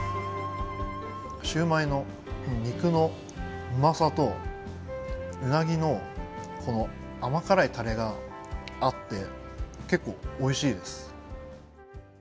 シューマイの肉のうまさとウナギの甘辛いタレが合って、結構おいしいです。